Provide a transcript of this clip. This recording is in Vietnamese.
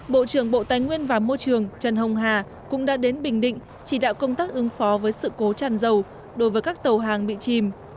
bộ trưởng bộ tài nguyên và môi trường trần hồng hà cũng đã đến bình định chỉ đạo công tác ứng phó với sự cố tràn dầu đối với các tàu hàng bị chìm